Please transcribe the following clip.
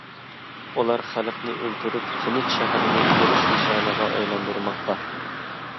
ئۇلار خەلقنى ئۆلتۈرۈپ، تىنچ شەھەرنى ئۇرۇش نىشانىغا ئايلاندۇرماقتا.